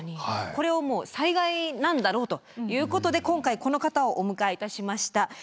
これはもう災害なんだろうということで今回この方をお迎えいたしました。